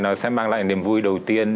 nó sẽ mang lại niềm vui đầu tiên